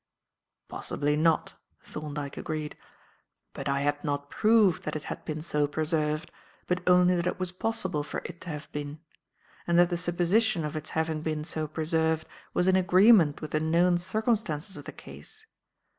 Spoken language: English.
"Possibly not," Thorndyke agreed. "But I had not proved that it had been so preserved, but only that it was possible for it to have been; and that the supposition of its having been so preserved was in agreement with the known circumstances of the case.